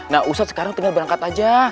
nah ustadz sekarang tinggal berangkat aja